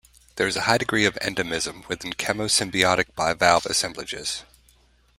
There is high degree of endemism within chemosymbiotic bivalve assemblages.